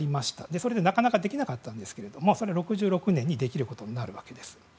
それでなかなかできなかったんですけど６６年にできるようになるわけです。